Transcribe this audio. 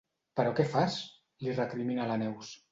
Però què fas? —li recrimina la Neus—.